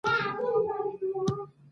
چې زه هم نشم کولی توپیر وکړم